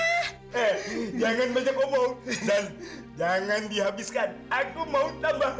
eh jangan banyak ngomong dan jangan dihabiskan aku mau tambah